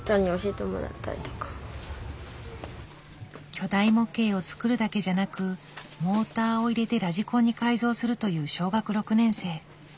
巨大模型を作るだけじゃなくモーターを入れてラジコンに改造するという小学６年生。